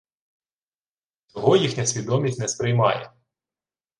Цього їхня свідомість не сприймає